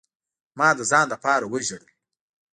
ما د ځان د پاره وجړل.